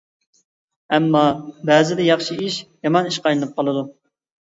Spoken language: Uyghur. ئەمما، بەزىدە ياخشى ئىش يامان ئىشقا ئايلىنىپ قالىدۇ.